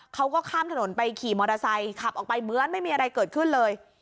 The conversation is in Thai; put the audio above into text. เขาก็ข้ามถนนไปขี่มอเตอร์ไซค์ขับออกไปเหมือนไม่มีอะไรเกิดขึ้นเลย